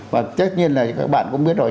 và chắc chắn là các bạn cũng biết rồi